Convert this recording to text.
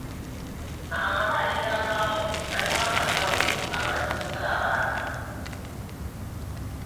amalwaliro agamu galimu abasawo abakyusa abaana.